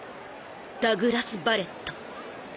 ダグラス・バレット。